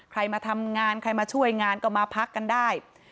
ใครมาทำงานใครมาช่วยงานก็มาพักกันได้